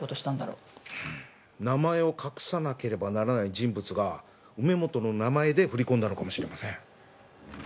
うん名前を隠さなければならない人物が梅本の名前で振り込んだのかもしれません。